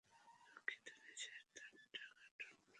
দুঃখিত, নিচের তারটা কাটুন!